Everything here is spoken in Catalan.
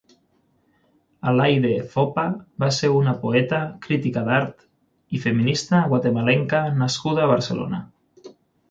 Alaíde Foppa va ser una poeta, crítica d'art i feminista guatemalenca nascuda a Barcelona.